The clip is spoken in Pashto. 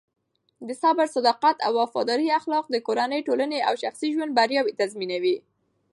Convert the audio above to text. د صبر، صداقت او وفادارۍ اخلاق د کورنۍ، ټولنې او شخصي ژوند بریا تضمینوي.